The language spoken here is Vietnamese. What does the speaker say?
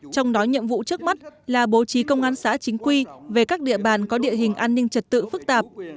trong đó nhiệm vụ trước mắt là bố trí công an xã chính quy về các địa bàn có địa hình an ninh trật tự phức tạp